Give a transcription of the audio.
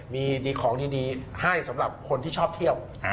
มีของดีให้สำหรับคนที่ชอบเที่ยว